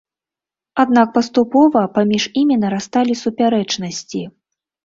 Аднак паступова паміж імі нарасталі супярэчнасці.